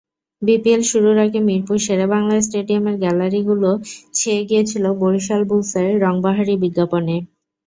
BPL শুরুর আগে মিরপুর শেরেবাংলা স্টেডিয়ামের গ্যালারিগুলো ছেয়ে গিয়েছিল বরিশাল বুলসের রংবাহারি বিজ্ঞাপনে।